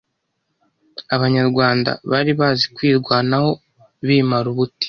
Abanyarwanda bari bazi kwirwanaho bimara ubute